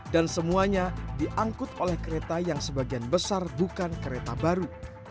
dan semuanya diangkut oleh kereta yang sebagian besar bukan kereta baru